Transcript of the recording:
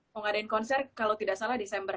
mau ngadain konser kalau tidak salah desember